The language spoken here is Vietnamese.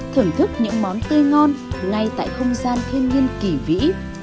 thưởng thức những món tươi ngon ngay tại không gian thiên nhiên kỳ vĩ